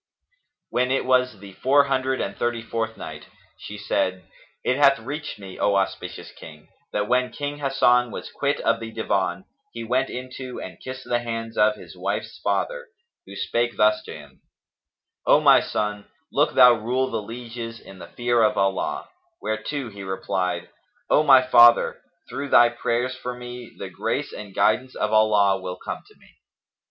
When it was the Four Hundred and Thirty fourth Night, She said, It hath reached me, O auspicious King, that when King Hasan was quit of the Divan, he went in to and kissed the hands of his wife's father, who spake thus to him, "O my son, look thou rule the lieges in the fear of Allah;" whereto he replied, "O my father, through thy prayers for me, the grace and guidance of Allah will come to me."